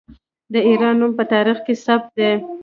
د ایران نوم په تاریخ کې ثبت دی.